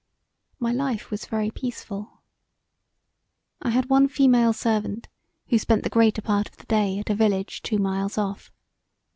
My life was very peaceful. I had one female servant who spent the greater part of the day at a village two miles off.